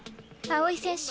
青井選手。